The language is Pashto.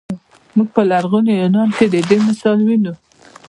موږ په لرغوني یونان کې د دې مثال وینو.